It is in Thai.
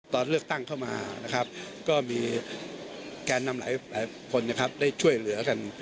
ตอนเลือกตั้งเข้ามานะครับก็มีแกนนำหลายคนนะครับได้ช่วยเหลือกัน